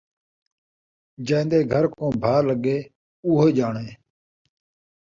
جین٘دے گھر کوں بھاء لڳے ، اوہو ڄاݨدے